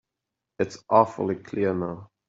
It's awfully clear now.